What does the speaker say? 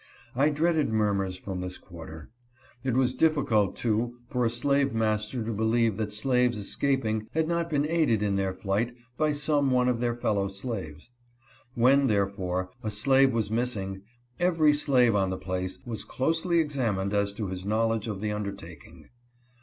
I dreaded murmurs from this quarter. It was difficult, too, for a slave master to believe that slaves escaping had not been aided in their flight by some one of their fellow slaves. When, therefore, a slave was missing, every slave on the place was closely examined as to his knowledge of the undertaking.